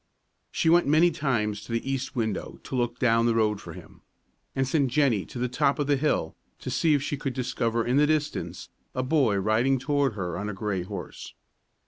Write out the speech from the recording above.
She went many times to the east window to look down the road for him, and sent Jennie to the top of the hill to see if she could discover in the distance a boy riding toward her on a gray horse.